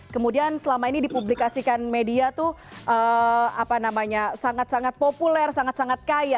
kemudian selama ini dipublikasikan media tuh apa namanya sangat sangat populer sangat sangat kaya